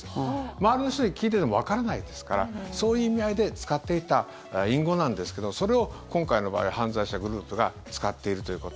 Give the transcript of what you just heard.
周りの人が聞いててもわからないですからそういう意味合いで使っていた隠語なんですけどそれを今回の場合犯罪者グループが使っているということ。